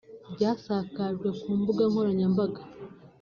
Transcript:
ryasakajwe ku mbuga nkoranyambaga